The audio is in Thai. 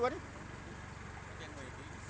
อันนี้เป็นอันนี้